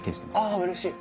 あうれしい。